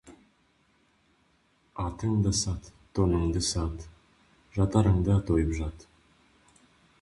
Атың да сат, тоныңды сат, жатарыңда тойып жат.